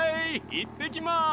いってきます！